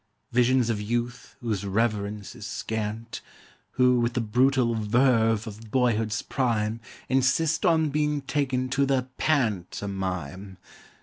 Visions of youth whose reverence is scant, Who with the brutal verve of boyhood's prime Insist on being taken to the pant omime.